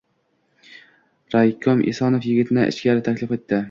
Raykom Esonov yigitni ichkari taklif etdi.